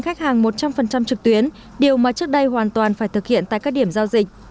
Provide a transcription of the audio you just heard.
khách hàng một trăm linh trực tuyến điều mà trước đây hoàn toàn phải thực hiện tại các điểm giao dịch